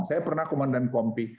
saya pernah komandan kompi